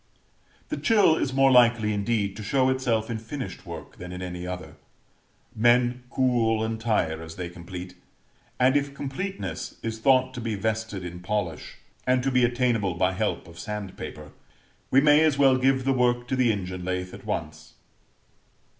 The chill is more likely, indeed, to show itself in finished work than in any other men cool and tire as they complete: and if completeness is thought to be vested in polish, and to be attainable by help of sand paper, we may as well give the work to the engine lathe at once.